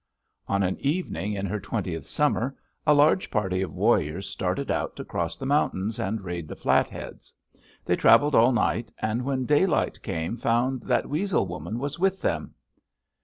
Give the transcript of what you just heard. "On an evening in her twentieth summer a large party of warriors started out to cross the mountains and raid the Flatheads. They traveled all night, and when daylight came found that Weasel Woman was with them.